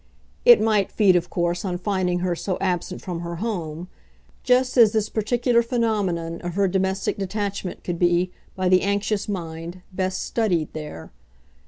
It might feed of course on finding her so absent from her home just as this particular phenomenon of her domestic detachment could be, by the anxious mind, best studied there.